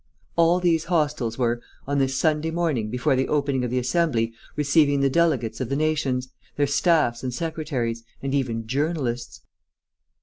All these hostels were, on this Sunday morning before the opening of the Assembly, receiving the delegates of the nations, their staffs and secretaries, and even journalists.